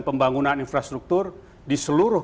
pembangunan infrastruktur di seluruh